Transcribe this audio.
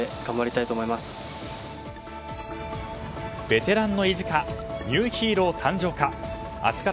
ベテランの意地かニューヒーロー誕生か。